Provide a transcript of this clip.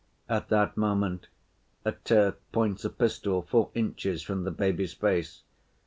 At that moment a Turk points a pistol four inches from the baby's face.